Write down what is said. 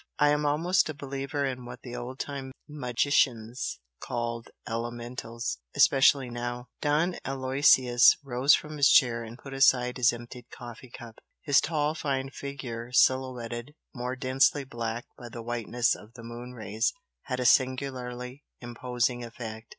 I am almost a believer in what the old time magicians called 'elementals' especially now." Don Aloysius rose from his chair and put aside his emptied coffee cup. His tall fine figure silhouetted more densely black by the whiteness of the moon rays had a singularly imposing effect.